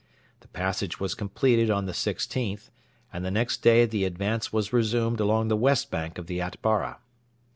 The passage was completed on the 16th, and the next day the advance was resumed along the west bank of the Atbara.